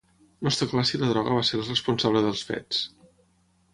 No està clar si la droga va ser el responsable dels fets.